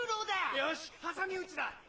よし挟み撃ちだ！